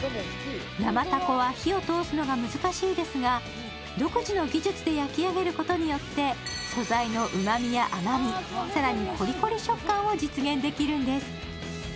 生たこは火を通すのが難しいですが、独自の技術で焼き上げることによって素材のうまみや甘み、更にコリコリ食感を実現できるんです。